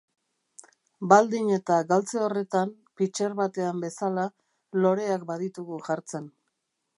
Baldin eta galtze horretan, pitxer batean bezala, loreak baditugu jartzen.